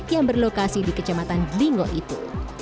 yang berlokasi di kecamatan jelingo itu